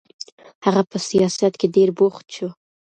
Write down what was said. هغه په سیاست کې ډېر بوخت شو.